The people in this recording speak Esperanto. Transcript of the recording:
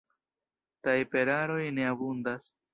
Tajperaroj ne abundas.